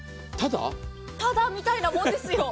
タダみたいなもんですよ。